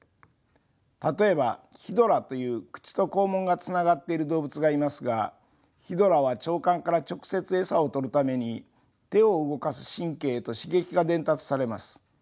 例えばヒドラという口と肛門がつながっている動物がいますがヒドラは腸管から直接餌を取るために手を動かす神経へと刺激が伝達されます。